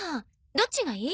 どっちがいい？